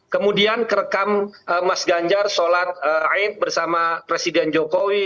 kemudian kerekam mas ganjar sholat aib bersama presiden jokowi